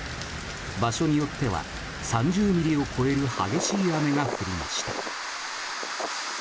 場所によっては３０ミリを超える激しい雨が降りました。